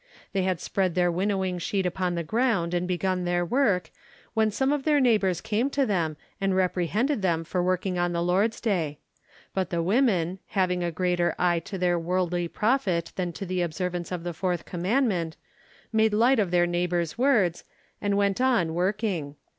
They had spread their winnowing sheet upon the ground and begun their work, when some of their neighbours came to them and reprehended them for working on the Lord's day. But the women, having a greater eye to their worldly profit than to the observance of the fourth commandment, made light of their neighbours' words, and went on working.